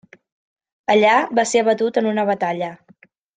Allà, va ser abatut en una batalla.